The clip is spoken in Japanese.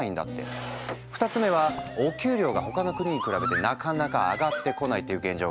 ２つ目はお給料が他の国に比べてなかなか上がってこないっていう現状がある。